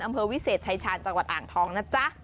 อำเภอวิเศษชายชาญจังหวัดอ่างทองนะจ๊ะ